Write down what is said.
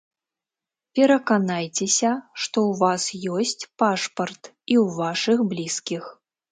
Пераканайцеся, што ў вас ёсць пашпарт і ў вашых блізкіх.